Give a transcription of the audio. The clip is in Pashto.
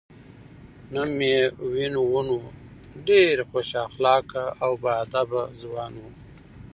نوم یې وین وون و، ډېر خوش اخلاقه او با ادبه ځوان و.